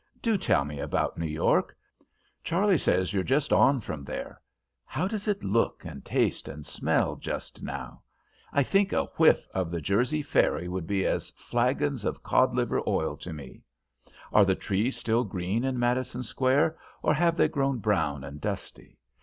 Do tell me about New York; Charley says you're just on from there. How does it look and taste and smell just now? I think a whiff of the Jersey ferry would be as flagons of cod liver oil to me. Are the trees still green in Madison Square, or have they grown brown and dusty?